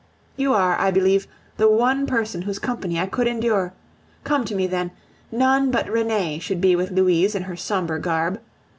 You are, I believe, the one person whose company I could endure. Come to me, then; none but Renee should be with Louise in her sombre garb.